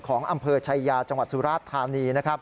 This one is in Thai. ของอำเภอชายาจังหวัดสุราธารณี